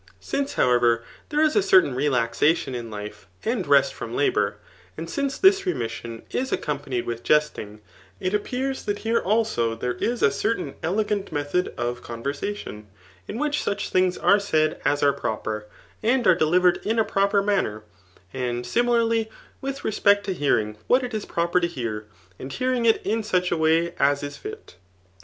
SiNCC, however, there is a certain rdaxatiw in lifi^ and rest from labour, and ^ce this remission is accompanied with jesting, it appears that here also there is a certain elegant method of conversation^ in which such things are said as are proper, and are delivered in a proper man ner ; and ^amilarly with respect t6 hearing what itrii pr^ per to hear, and hearing it in such a ^vay as b fit.